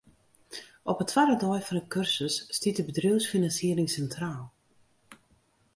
Op 'e twadde dei fan 'e kursus stiet de bedriuwsfinansiering sintraal.